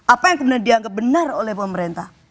apa yang kemudian dianggap benar oleh pemerintah